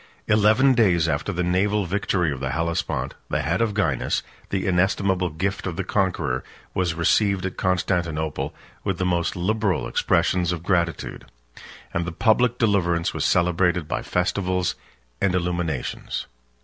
Eleven days after the naval victory of the Hellespont, the head of Gainas, the inestimable gift of the conqueror, was received at Constantinople with the most liberal expressions of gratitude; and the public deliverance was celebrated by festivals and illuminations.